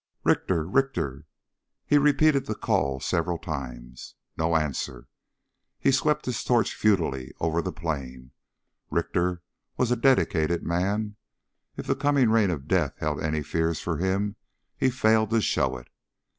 "Richter! Richter!" He repeated the call several times. No answer. He swept his torch futilely over the plain. Richter was a dedicated man. If the coming rain of death held any fears for him he failed to show it.